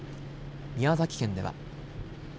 宮崎県では。